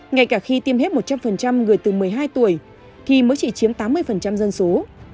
ngay cả khi tiêm hết một trăm linh người từ một mươi hai tuổi thì mới chỉ chiếm tám mươi dân số